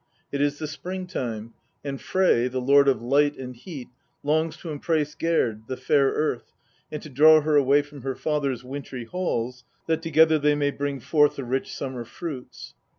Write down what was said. It is the spring time, and Frey, the lord of light and heat, longs to embrace Gerd, the fair earth, and to draw her away from her father's wintry halls, that together they may bring forth the rich summer fruits.